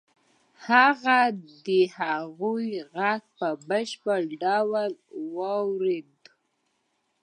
هغه د هغې غږ په بشپړ ډول واورېد.